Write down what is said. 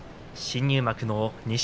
新入幕の錦